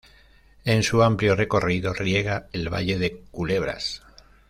En su amplio recorrido riega el valle de Culebras.